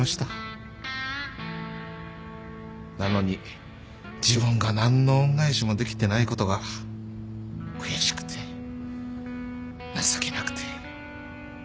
なのに自分が何の恩返しもできてないことが悔しくて情けなくて